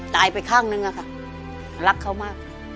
ตายไปข้างนึงอะค่ะรักเขามาก